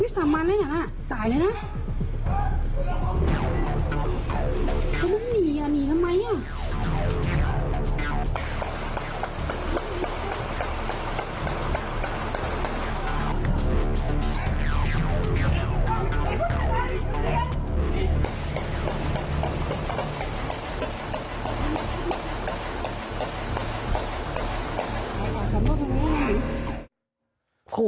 สวัสดีครับ